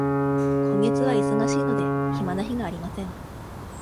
今月は忙しいので、暇な日がありません。